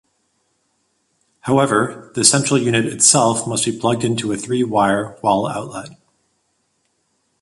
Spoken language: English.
However, the central unit itself must be plugged into a three-wire wall outlet.